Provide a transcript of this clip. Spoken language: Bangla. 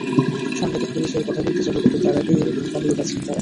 সাংবাদিক পরিচয়ে কথা বলতে যাব কিন্তু তার আগেই একরকম পালিয়ে বাঁচলেন তাঁরা।